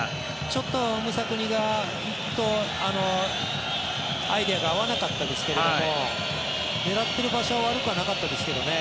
ちょっとムサクニとアイデアが合わなかったですけど狙っている場所は悪くはなかったですけどね。